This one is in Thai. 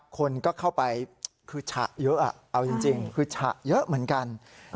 คนก็เข้าไปคือฉะเยอะเอาจริงคือฉะเยอะเหมือนกัน